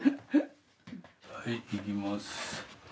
はいいきます。